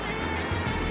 jangan makan aku